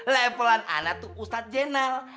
levelan anak itu ustadz jenal